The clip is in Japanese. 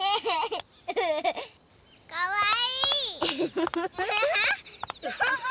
かわいい！